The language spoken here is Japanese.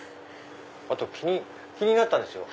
あと気になったんですよ。